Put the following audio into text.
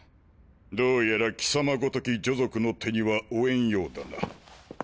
どうやら貴様ごとき女賊の手には負えんようだな。